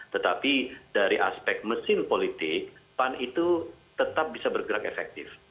tetapi dari aspek mesin politik pan itu tetap bisa bergerak efektif